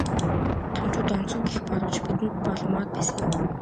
Томчууд онцгүй гэх боловч бидэнд бол моод байсан юм.